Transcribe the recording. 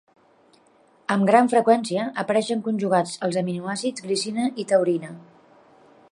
Amb gran freqüència apareixen conjugats als aminoàcids glicina i taurina.